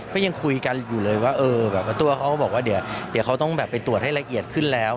ก็ยังคุยกันอยู่เลยว่าเออแบบว่าตัวเขาก็บอกว่าเดี๋ยวเขาต้องแบบไปตรวจให้ละเอียดขึ้นแล้ว